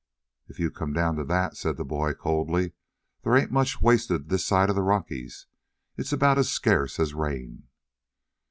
"If you come down to that," said the boy coldly, "there ain't much wasted this side of the Rockies. It's about as scarce as rain."